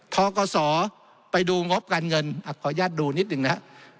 ทกศไปดูงบการเงินขออนุญาตดูนิดหนึ่งนะครับ